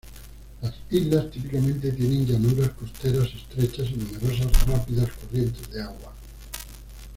Las islas típicamente tienen llanuras costeras estrechas y numerosas rápidas corrientes de agua.